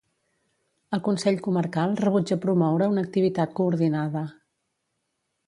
El Consell Comarcal rebutja promoure una activitat coordinada.